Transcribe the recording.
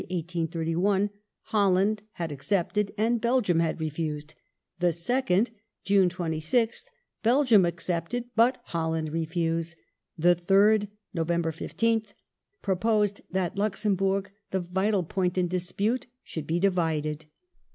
1831) Holland had accepted and Belgium had refused ; the second (June 26th) Belgium accepted but Holland refused. The third (Nov. 15th) proposed that Luxemburg — the vital point in dispute — should be divided.